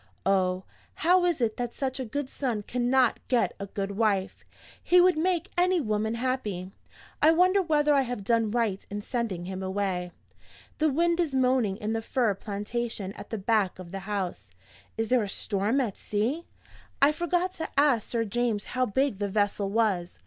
Oh, how is it that such a good son cannot get a good wife! He would make any woman happy. I wonder whether I have done right in sending him away? The wind is moaning in the fir plantation at the back of the house. Is there a storm at sea? I forgot to ask Sir James how big the vessel was.